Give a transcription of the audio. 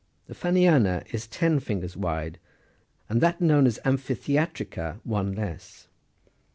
The Eanniana is ten fingers wide, and that known as " amphitheatrica," one less.